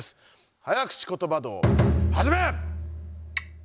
早口ことば道はじめ！